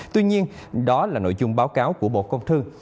tuy nhiên đó là nội dung báo cáo của bộ công thương